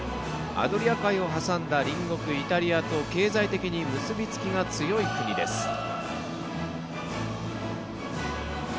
アドリア海を挟んだ隣国イタリアと経済的に結びつきが強い国です。